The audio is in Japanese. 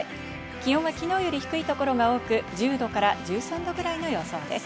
気温は昨日より低い所が多く１０度から１３度くらいの予想です。